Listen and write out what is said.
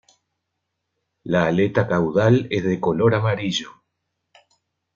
La aleta caudal es de color amarillo.